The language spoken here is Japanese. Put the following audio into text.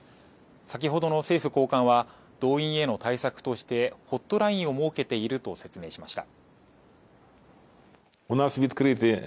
先ほどの政府高官は動員への対策としてホットラインを設けていると説明しました。